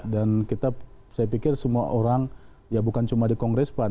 dan saya pikir semua orang bukan cuma di kongres pan